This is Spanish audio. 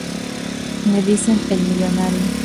Le dicen el Millonario.